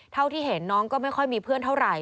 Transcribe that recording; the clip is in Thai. เท่าที่เห็นน้องก็ไม่ค่อยมีเพื่อนเท่าไหร่